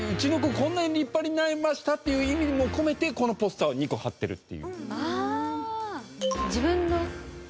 こんなに立派になりましたっていう意味も込めてこのポスターを２個貼ってるっていう。